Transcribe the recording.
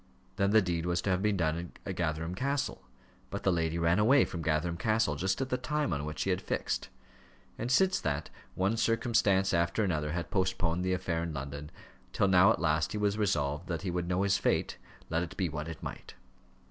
Then the deed was to have been done at Gatherum Castle, but the lady ran away from Gatherum Castle just at the time on which he had fixed. And since that, one circumstance after another had postponed the affair in London, till now at last he was resolved that he would know his fate, let it be what it might.